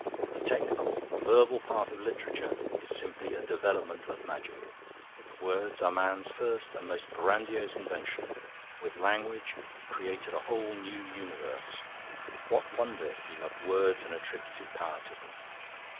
The technical, verbal part of literature is simply a development of magic. Words are man's first and most grandiose invention. With language he created a whole new universe; what wonder if he loved words and attributed power to them!